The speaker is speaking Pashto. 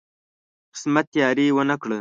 قسمت یاري ونه کړه.